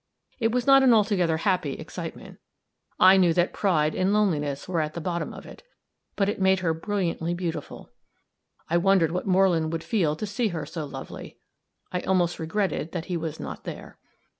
It was not an altogether happy excitement; I knew that pride and loneliness were at the bottom of it; but it made her brilliantly beautiful. I wondered what Moreland would feel to see her so lovely I almost regretted that he was not there.